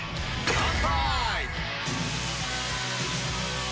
乾杯！